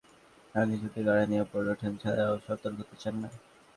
যাঁরা নিচ থেকে গাড়ি নিয়ে ওপরে ওঠেন তাঁরাও সতর্ক হতে চান না।